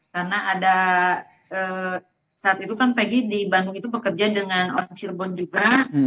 karena ada saat itu kan pegi di bandung itu bekerja dengan orang cirebon juga